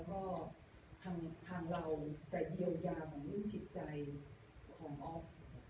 ทางเราแต่เดียวยาของติดใจของอ๋อ